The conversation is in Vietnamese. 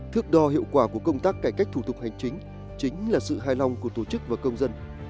thước đo hiệu quả của công tác cải cách thủ tục hành chính chính là sự hài lòng của tổ chức và công dân